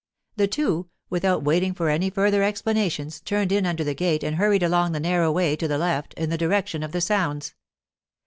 The two, without waiting for any further explanations, turned in under the gate and hurried along the narrow way to the left, in the direction of the sounds.